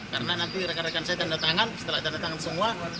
karena nanti rekan rekan saya tanda tangan setelah tanda tangan semua